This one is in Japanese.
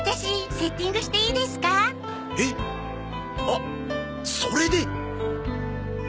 あっそれで。